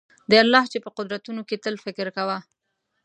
د الله چي په قدرتونو کي تل فکر کوه